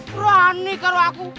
berani kalau aku